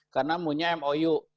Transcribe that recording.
karena punya mou